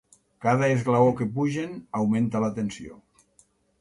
Cada esglaó que pugen augmenta la tensió.